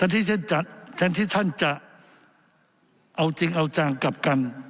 แทนที่ท่านจะเอาจริงเอาจังกับกัน